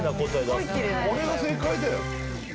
あれが正解だよ。